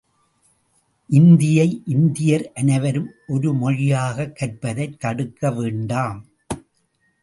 இந்தியை இந்தியர் அனைவரும் ஒருமொழியாகக் கற்பதைத் தடுக்க வேண்டாம்.